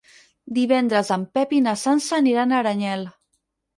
Divendres en Pep i na Sança aniran a Aranyel.